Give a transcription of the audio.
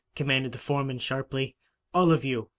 commanded the foreman sharply. "All of you!